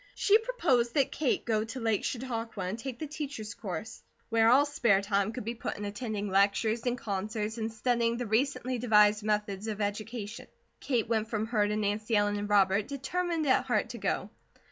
She proposed that Kate go to Lake Chautauqua and take the teachers' course, where all spare time could be put in attending lectures, and concerts, and studying the recently devised methods of education. Kate went from her to Nancy Ellen and Robert, determined at heart to go.